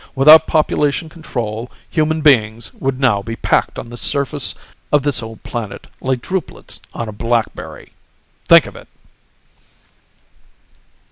"Without population control, human beings would now be packed on this surface of this old planet like drupelets on a blackberry! Think of it!"